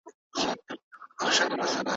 هغه د مڼې په خوړلو بوخت دی.